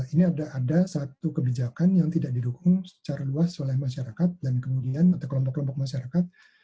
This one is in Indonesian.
ini ada satu kebijakan yang tidak didukung secara luas oleh masyarakat dan kemudian atau kelompok kelompok masyarakat